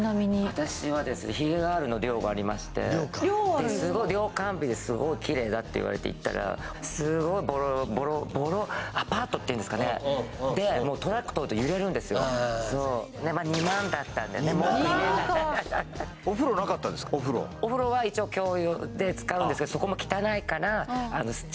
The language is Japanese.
私はですねひげガールの寮がありまして寮完備ですごいきれいだって言われて行ったらすごいボロアパートっていうんですかねで２万だったんでね文句言えない２万かお風呂なかったんですかお風呂お風呂は一応共用で使うんですけどそこも汚いから大変だね